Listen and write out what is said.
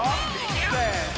せの！